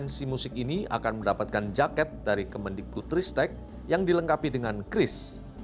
kompetensi musik ini akan mendapatkan jaket dari kemendiku tristek yang dilengkapi dengan kris